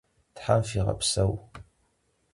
Them fiğepseu!